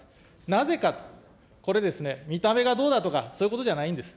なぜかと、これですね、見た目がどうだとか、そういうことじゃないんです。